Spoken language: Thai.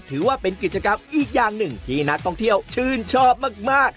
ถือว่าเป็นกิจกรรมอีกอย่างหนึ่งที่นักท่องเที่ยวชื่นชอบมาก